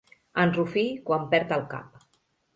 En Rufí quan perd el cap.